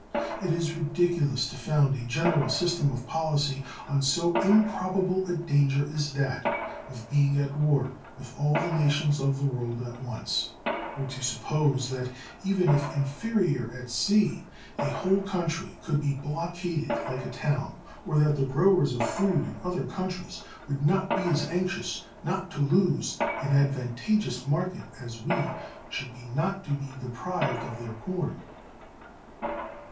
It is ridiculous to found a general system of policy on so improbable a danger as that of being at war with all the nations of the world at once; or to suppose that, even if inferior at sea, a whole country could be blockaded like a town, or that the growers of food in other countries would not be as anxious not to lose an advantageous market as we should be not to be deprived of their corn.